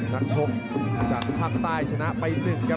นักชกจากภาคใต้ชนะไป๑ครับ